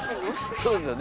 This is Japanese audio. そうですよね。